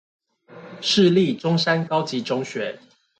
市立中山高級中學